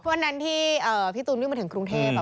วันนั้นที่พี่ตูนวิ่งมาถึงกรุงเทพ